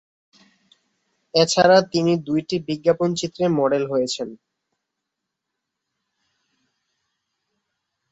এছাড়া, তিনি দুইটি বিজ্ঞাপনচিত্রে মডেল হয়েছেন।